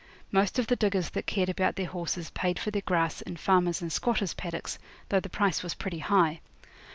Most of the diggers that cared about their horses paid for their grass in farmers' and squatters' paddocks, though the price was pretty high.